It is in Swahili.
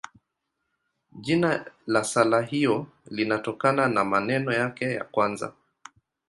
Jina la sala hiyo linatokana na maneno yake ya kwanza.